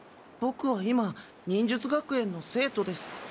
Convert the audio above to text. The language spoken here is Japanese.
ボクは今忍術学園の生徒です。